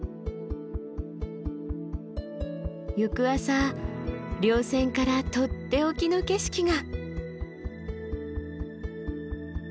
翌朝稜線からとっておきの景色が。